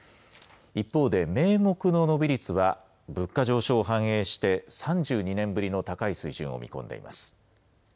一方で、名目の伸び率は、物価上昇を反映して３２年ぶりの高い水準を見込んでいます。